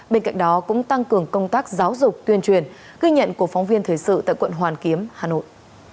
bên cạnh đó cũng tăng cường công tác giáo dục tuyên truyền ghi nhận của phóng viên thời sự tại quận hoàn kiếm hà nội